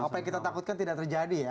apa yang kita takutkan tidak terjadi ya